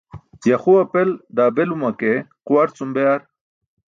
Yaxu apel daa beluma ke quwar cum be ar